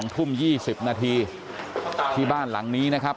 ทุ่ม๒๐นาทีที่บ้านหลังนี้นะครับ